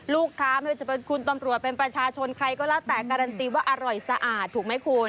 ลูกค้าไม่ว่าจะเป็นคุณตำรวจเป็นประชาชนใครก็แล้วแต่การันตีว่าอร่อยสะอาดถูกไหมคุณ